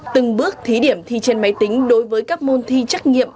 từng bước thí điểm thi trên máy tính đối với các môn thi trắc nghiệm